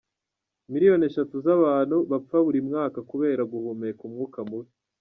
Miliyoni eshatu z’abantu bapfa buri mwaka kubera guhumeka umwuka mubi.